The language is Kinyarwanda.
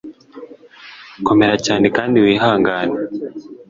komera cyane kandi wihangane